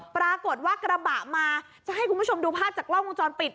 ปรากฏว่ากระบะมาจะให้คุณผู้ชมดูภาพจากกล้องวงจรปิด